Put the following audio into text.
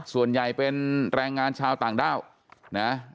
ส่วนใหญ่เป็นแรงงานชาวต่างด้าวนะ